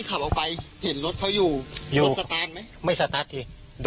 แล้วไฟไม่ติด